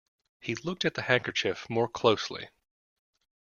He looked at the handkerchief more, closely.